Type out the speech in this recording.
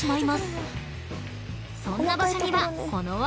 ［そんな場所にはこの技］